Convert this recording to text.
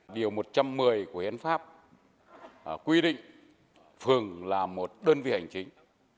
điều một trăm một mươi của hiến pháp quy định phường là một đơn vị hành chính